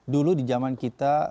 dulu di zaman kita